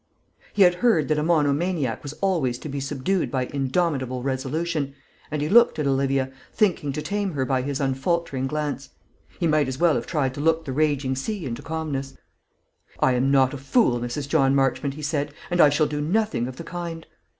He had heard that a monomaniac was always to be subdued by indomitable resolution, and he looked at Olivia, thinking to tame her by his unfaltering glance. He might as well have tried to look the raging sea into calmness. "I am not a fool, Mrs. John Marchmont," he said, "and I shall do nothing of the kind."